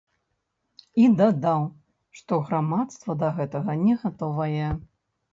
І дадаў, што грамадства да гэтага не гатовае.